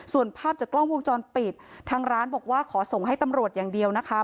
ส่วนภาพจากกล้องวงจรปิดทางร้านบอกว่าขอส่งให้ตำรวจอย่างเดียวนะคะ